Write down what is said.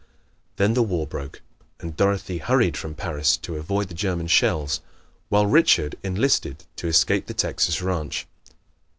Then the War broke and Dorothy hurried from Paris to avoid German shells, while Richard enlisted to escape the Texas ranch.